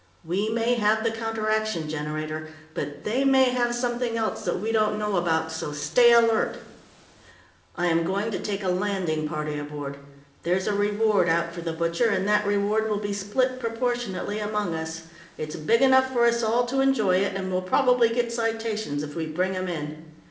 We may have the counteraction generator, but they may have something else that we don't know about. So stay alert. "I am going to take a landing party aboard. There's a reward out for The Butcher, and that reward will be split proportionately among us. It's big enough for us all to enjoy it, and we'll probably get citations if we bring him in.